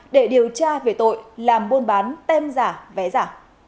để điều tra về tội làm buôn bán tem giả vé giả